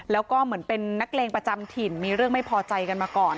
แล้วก็เหมือนเป็นนักเลงประจำถิ่นมีเรื่องไม่พอใจกันมาก่อน